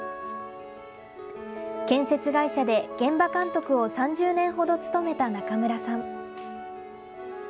建設会社で現場監督を３０年ほど務めた中村さん。